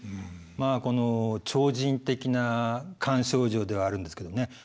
まあこの超人的な菅丞相ではあるんですけどね。